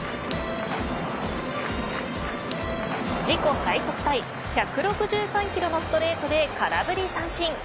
自己最速タイ１６３キロのストレートで空振り三振。